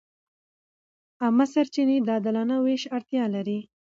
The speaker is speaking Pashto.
عامه سرچینې د عادلانه وېش اړتیا لري.